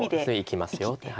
生きますよって。